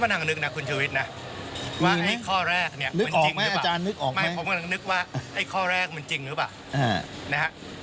ผมก็มันนึกนะคุณชีวิตนะว่าไอ้ข้อแรกเนี่ยมันจริงหรือเปล่านึกออกไหมอาจารย์นึกออกไหมไม่ผมก็นึกว่าไอ้ข้อแรกมันจริงหรือเปล่านะครับ